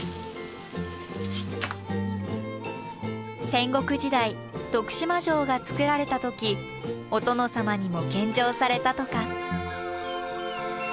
戦国時代徳島城が造られた時お殿様にも献上されたとか。